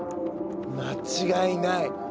間違いない。